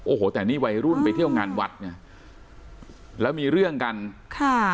โอ้โหแต่นี่วัยรุ่นไปเที่ยวงานวัดไงแล้วมีเรื่องกันค่ะ